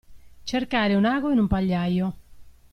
Cercare un ago in un pagliaio.